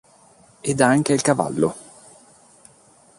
Ed anche il cavallo.